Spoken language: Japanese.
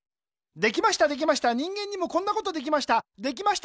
できましたできました人間にもこんなことできました。